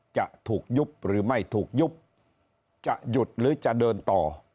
จะถูกยุบหรือไม่ถูกยุบจะหยุดหรือจะเดินต่อ